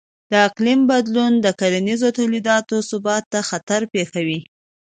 د اقلیم بدلون د کرنیزو تولیداتو ثبات ته خطر پېښوي.